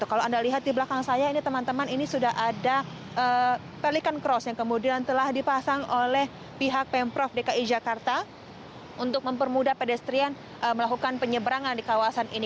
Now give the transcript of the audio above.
kalau anda lihat di belakang saya ini teman teman ini sudah ada pelikan cross yang kemudian telah dipasang oleh pihak pemprov dki jakarta untuk mempermudah pedestrian melakukan penyeberangan di kawasan ini